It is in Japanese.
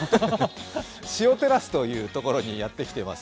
シオサイテラスというところにやってきています。